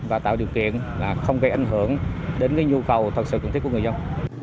và tạo điều kiện là không gây ảnh hưởng đến nhu cầu thật sự cần thiết của người dân